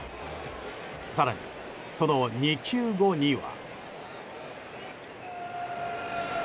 更に、その２球後には。